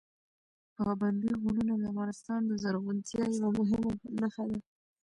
پابندي غرونه د افغانستان د زرغونتیا یوه مهمه نښه ده.